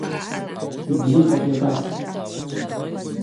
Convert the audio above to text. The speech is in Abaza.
Йбзихапӏ йабацара.